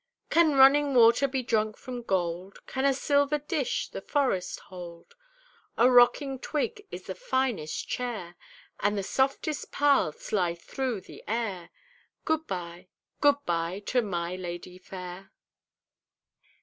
"Can running water be drunk from gold? Can a silver dish the forest hold? A rocking twig is the finest chair, And the softest paths lie through the air, Good bye, good bye to my lady fair!"